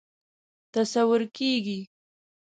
تصور کېږي.